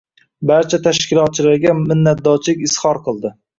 Barcha tashkilotchilarga minnatdorlik izhor qildi